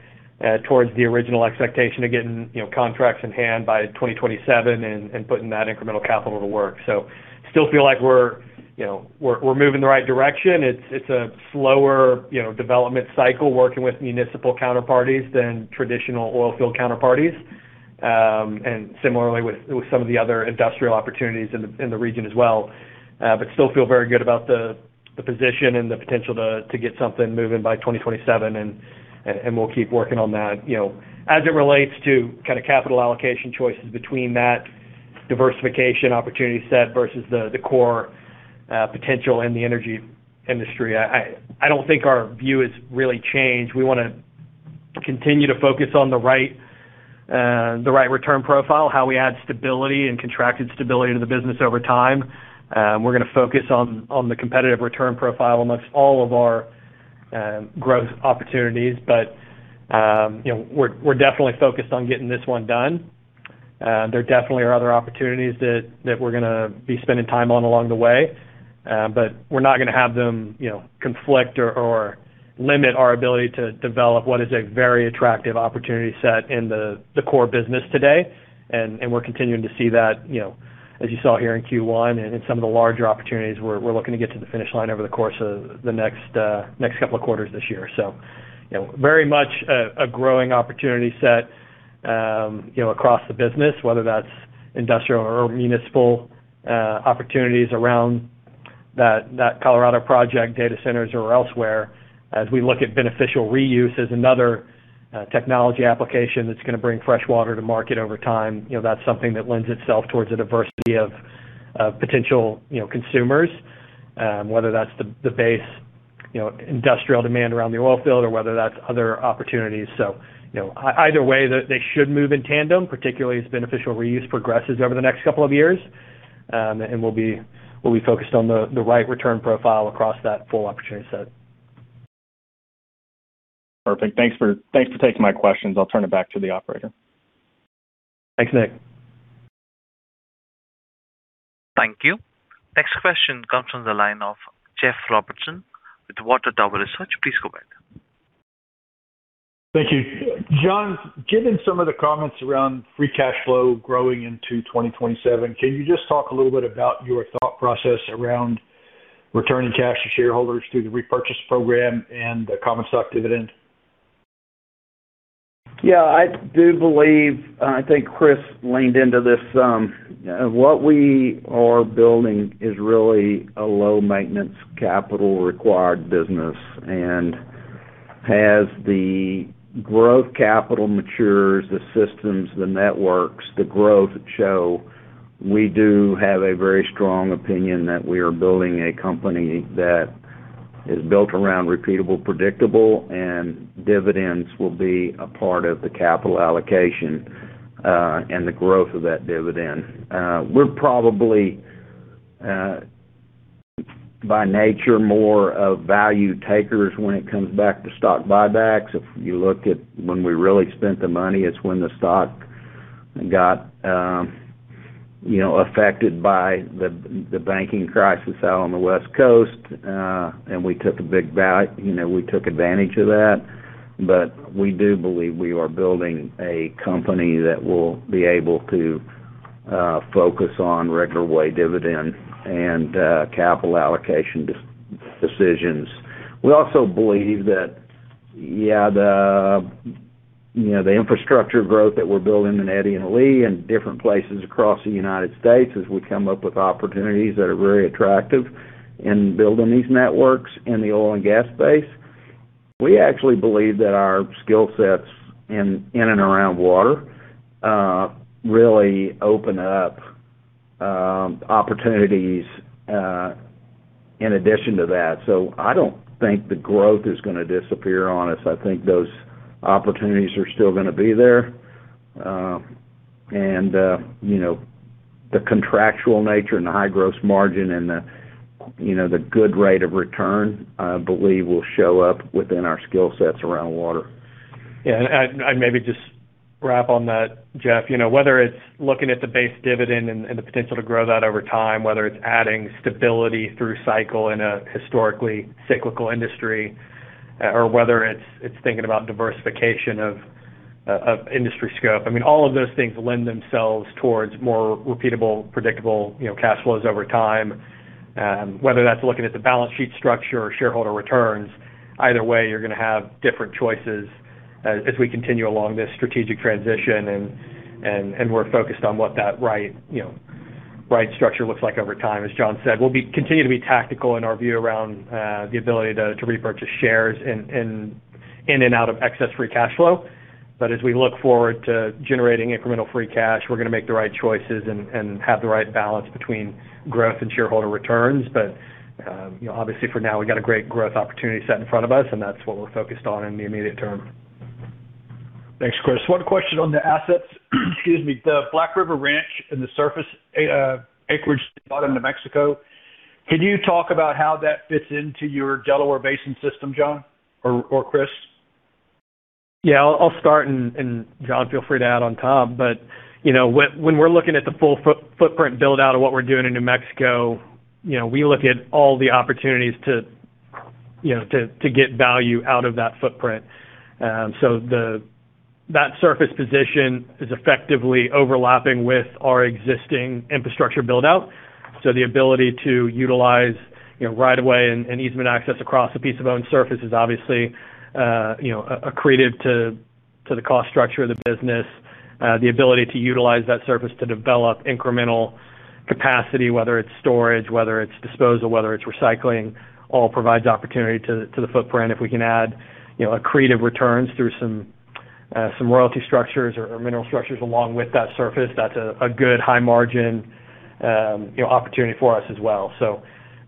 towards the original expectation of getting, you know, contracts in hand by 2027 and putting that incremental capital to work. Still feel like we're, you know, we're moving the right direction. It's a slower, you know, development cycle working with municipal counterparties than traditional oilfield counterparties, and similarly with some of the other industrial opportunities in the region as well. Still feel very good about the position and the potential to get something moving by 2027, and we'll keep working on that. You know, as it relates to kind of capital allocation choices between that diversification opportunity set versus the core potential in the energy industry, I don't think our view has really changed. We continue to focus on the right return profile, how we add stability and contracted stability to the business over time. We're gonna focus on the competitive return profile amongst all of our growth opportunities. You know, we're definitely focused on getting this one done. There definitely are other opportunities that we're gonna be spending time on along the way. We're not gonna have them, you know, conflict or limit our ability to develop what is a very attractive opportunity set in the core business today. We're continuing to see that, as you saw here in Q1 and in some of the larger opportunities we're looking to get to the finish line over the course of the next couple of quarters this year. Very much a growing opportunity set across the business, whether that's industrial or municipal opportunities around that Colorado project, data centers or elsewhere. As we look at beneficial reuse as another technology application that's gonna bring fresh water to market over time, that's something that lends itself towards a diversity of potential consumers. Whether that's the base industrial demand around the oil field or whether that's other opportunities. you know, either way, they should move in tandem, particularly as beneficial reuse progresses over the next couple of years. And we'll be focused on the right return profile across that full opportunity set. Perfect. Thanks for taking my questions. I'll turn it back to the operator. Thanks, Nick. Thank you. Next question comes from the line of Jeff Robertson with Water Tower Research. Please go ahead. Thank you. John, given some of the comments around free cash flow growing into 2027, can you just talk a little bit about your thought process around returning cash to shareholders through the repurchase program and the common stock dividend? Yeah. I do believe, I think Chris leaned into this some. What we are building is really a low maintenance capital required business. As the growth capital matures, the systems, the networks, the growth show, we do have a very strong opinion that we are building a company that is built around repeatable, predictable, and dividends will be a part of the capital allocation and the growth of that dividend. We're probably, by nature, more of value takers when it comes back to stock buybacks. If you look at when we really spent the money, it's when the stock got, you know, affected by the banking crisis out on the West Coast, and we took a big, you know, we took advantage of that. We do believe we are building a company that will be able to focus on regular way dividend and capital allocation decisions. We also believe that, you know, the infrastructure growth that we're building in Eddy and Lee and different places across the U.S. as we come up with opportunities that are very attractive in building these networks in the oil and gas space. We actually believe that our skill sets in and around water really open up opportunities in addition to that. I don't think the growth is gonna disappear on us. I think those opportunities are still gonna be there. And, you know, the contractual nature and the high gross margin and, you know, the good rate of return, I believe will show up within our skill sets around water. Yeah. I maybe just wrap on that, Jeff Robertson. You know, whether it's looking at the base dividend and the potential to grow that over time, whether it's adding stability through cycle in a historically cyclical industry, or whether it's thinking about diversification of industry scope. I mean, all of those things lend themselves towards more repeatable, predictable, you know, cash flows over time. Whether that's looking at the balance sheet structure or shareholder returns, either way, you're gonna have different choices as we continue along this strategic transition and we're focused on what that right, you know, right structure looks like over time. As John Schmitz said, we'll continue to be tactical in our view around the ability to repurchase shares in and out of excess free cash flow. As we look forward to generating incremental free cash, we're gonna make the right choices and have the right balance between growth and shareholder returns. You know, obviously for now, we've got a great growth opportunity set in front of us, and that's what we're focused on in the immediate term. Thanks, Chris. One question on the assets. Excuse me. The Black River Ranch and the surface acreage you bought in New Mexico, can you talk about how that fits into your Delaware Basin system, John or Chris? Yeah. I'll start and John, feel free to add on top. You know, when we're looking at the full footprint build-out of what we're doing in New Mexico, you know, we look at all the opportunities to get value out of that footprint. That surface position is effectively overlapping with our existing infrastructure build-out. The ability to utilize, you know, right away and easement access across a piece of owned surface is obviously, you know, accretive to the cost structure of the business. The ability to utilize that surface to develop incremental capacity, whether it's storage, whether it's disposal, whether it's recycling, all provides opportunity to the footprint. If we can add, you know, accretive returns through some royalty structures or mineral structures along with that surface, that's a good high margin, you know, opportunity for us as well.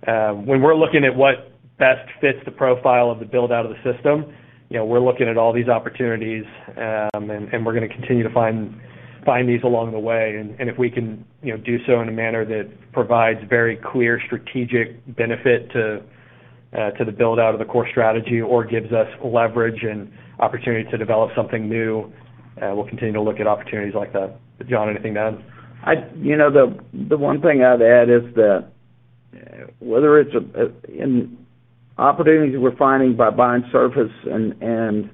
When we're looking at what best fits the profile of the build-out of the system, you know, we're looking at all these opportunities, and we're gonna continue to find these along the way. If we can, you know, do so in a manner that provides very clear strategic benefit to the build-out of the core strategy or gives us leverage and opportunity to develop something new, we'll continue to look at opportunities like that. John, anything to add? You know, the one thing I'd add is that whether it's in opportunities we're finding by buying surface and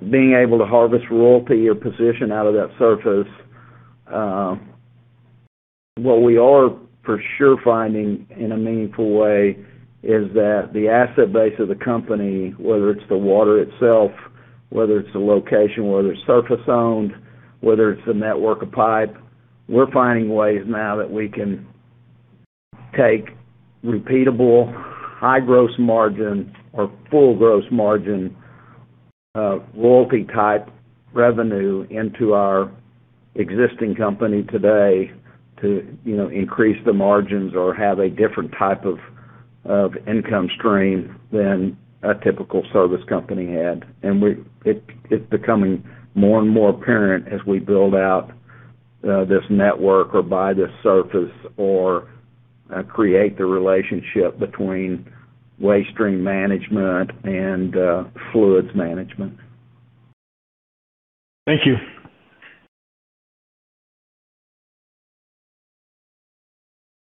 being able to harvest royalty or position out of that surface, what we are for sure finding in a meaningful way is that the asset base of the company, whether it's the water itself, whether it's the location, whether it's surface owned, whether it's the network of pipe, We're finding ways now that we can take repeatable high gross margin or full gross margin royalty type revenue into our existing company today to, you know, increase the margins or have a different type of income stream than a typical service company had. It's becoming more and more apparent as we build out this network or buy this surface or create the relationship between waste stream management and fluids management. Thank you.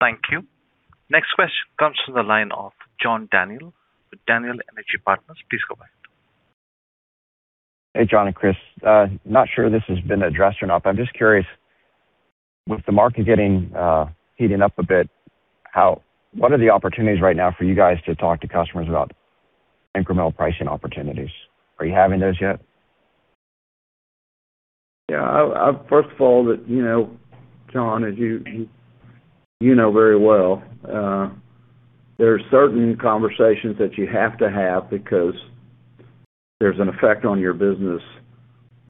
Thank you. Next question comes from the line of John Daniel with Daniel Energy Partners. Please go ahead. Hey, John and Chris. Not sure this has been addressed or not, but I'm just curious, with the market getting, heating up a bit, what are the opportunities right now for you guys to talk to customers about incremental pricing opportunities? Are you having those yet? Yeah. First of all, that, you know, John, as you know very well, there are certain conversations that you have to have because there's an effect on your business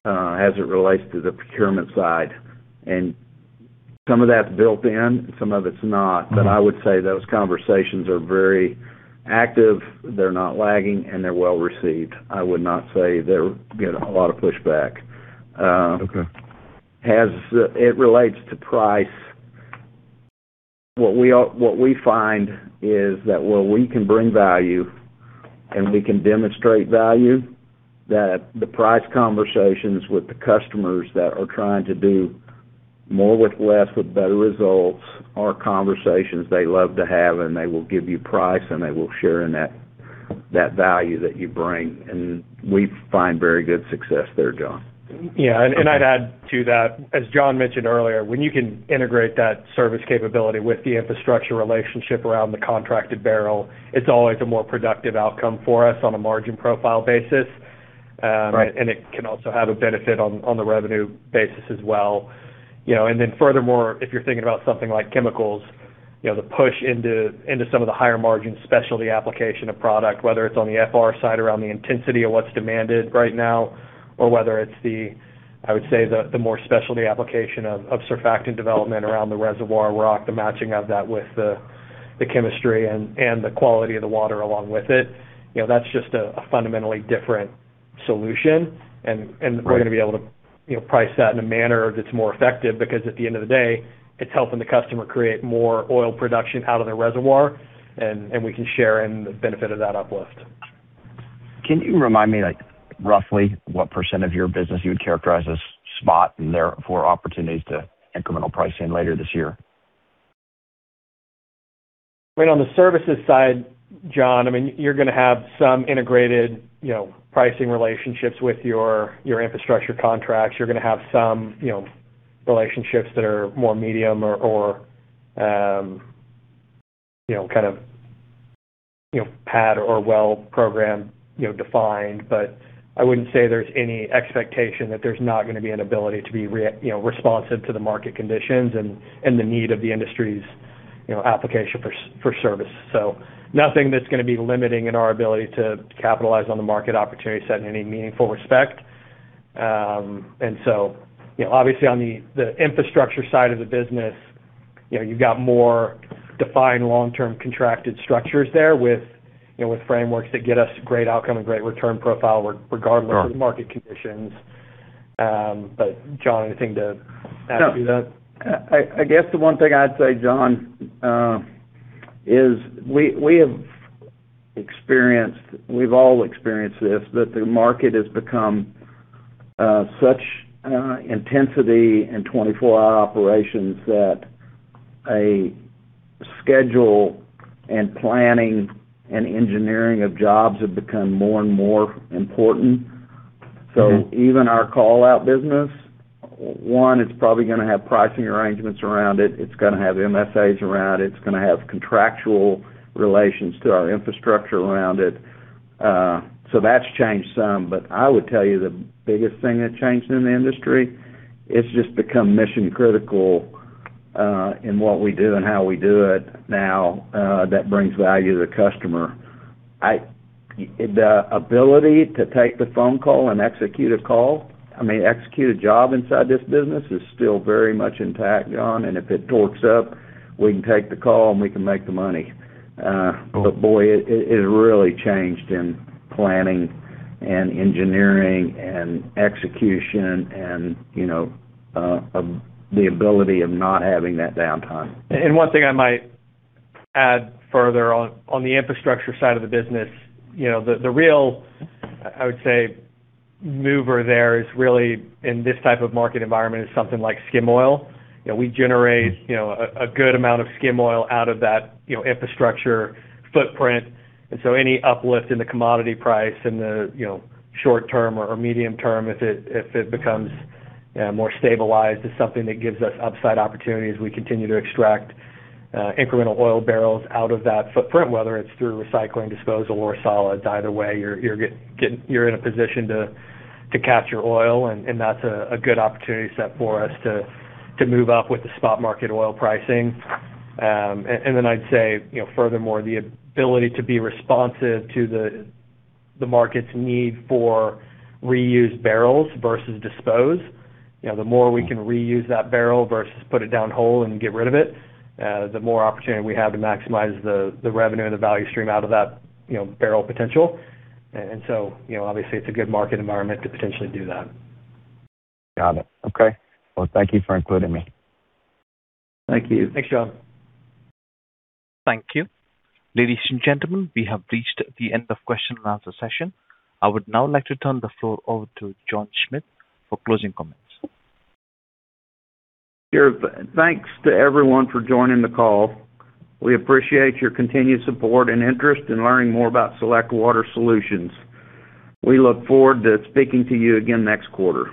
as it relates to the procurement side. Some of that's built in, some of it's not. I would say those conversations are very active, they're not lagging, and they're well received. I would not say they're getting a lot of pushback. Okay. As it relates to price, what we find is that where we can bring value and we can demonstrate value, that the price conversations with the customers that are trying to do more with less with better results are conversations they love to have, and they will give you price, and they will share in that value that you bring. We find very good success there, John. Yeah. Okay. I'd add to that, as John mentioned earlier, when you can integrate that service capability with the infrastructure relationship around the contracted barrel, it's always a more productive outcome for us on a margin profile basis. Right. It can also have a benefit on the revenue basis as well. You know, furthermore, if you're thinking about something like chemicals, you know, the push into some of the higher margin specialty application of product, whether it's on the FR side around the intensity of what's demanded right now, or whether it's the, I would say, the more specialty application of surfactant development around the reservoir rock, the matching of that with the chemistry and the quality of the water along with it, you know, that's just a fundamentally different solution. Right. We're gonna be able to, you know, price that in a manner that's more effective because at the end of the day, it's helping the customer create more oil production out of their reservoir, and we can share in the benefit of that uplift. Can you remind me, like, roughly what % of your business you would characterize as spot and therefore opportunities to incremental pricing later this year? Right. On the services side, John, I mean, you're gonna have some integrated, you know, pricing relationships with your infrastructure contracts. You're gonna have some, you know, relationships that are more medium or, you know, kind of, you know, pad or well programmed, you know, defined. I wouldn't say there's any expectation that there's not gonna be an ability to be, you know, responsive to the market conditions and the need of the industry's, you know, application for service. Nothing that's gonna be limiting in our ability to capitalize on the market opportunity set in any meaningful respect. You know, obviously on the infrastructure side of the business, you know, you've got more defined long-term contracted structures there with, you know, with frameworks that get us great outcome and great return profile. Sure. Of the market conditions. John, anything to add to that? No. I guess the one thing I'd say, John, is we've all experienced this, that the market has become such intensity and 24-hour operations that a schedule and planning and engineering of jobs have become more and more important. Even our call-out business, one, it's probably going to have pricing arrangements around it. It's going to have MSAs around it. It's going to have contractual relations to our infrastructure around it. That's changed some. I would tell you the biggest thing that changed in the industry, it's just become mission critical. In what we do and how we do it now, that brings value to the customer. The ability to take the phone call and execute a call, I mean, execute a job inside this business is still very much intact, John. If it torques up, we can take the call, and we can make the money. Boy, it really changed in planning and engineering and execution and, you know, the ability of not having that downtime. One thing I might add further on the infrastructure side of the business, you know, the real, I would say, mover there is really in this type of market environment is something like skim oil. You know, we generate, you know, a good amount of skim oil out of that, you know, infrastructure footprint. Any uplift in the commodity price in the, you know, short term or medium term, if it, if it becomes more stabilized, is something that gives us upside opportunities. We continue to extract incremental oil barrels out of that footprint, whether it's through recycling, disposal, or solids. Either way, you're in a position to capture oil, and that's a good opportunity set for us to move up with the spot market oil pricing. Then I'd say, you know, furthermore, the ability to be responsive to the market's need for reused barrels versus dispose. You know, the more we can reuse that barrel versus put it down whole and get rid of it, the more opportunity we have to maximize the revenue and the value stream out of that, you know, barrel potential. So, you know, obviously, it's a good market environment to potentially do that. Got it. Okay. Well, thank you for including me. Thank you. Thanks, John. Thank you. Ladies and gentlemen, we have reached the end of question and answer session. I would now like to turn the floor over to John Schmitz for closing comments. Sure. Thanks to everyone for joining the call. We appreciate your continued support and interest in learning more about Select Water Solutions. We look forward to speaking to you again next quarter.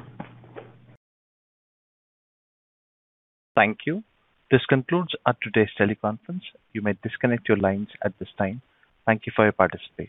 Thank you. This concludes our today's teleconference. You may disconnect your lines at this time. Thank you for your participation.